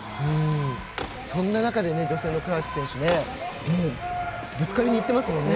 そんな中で女性の倉橋選手ぶつかりにいってますもんね。